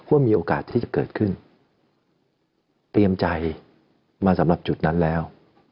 ว่ามีโอกาสที่จะเกิดขึ้นเตรียมใจมาสำหรับจุดนั้นแล้ว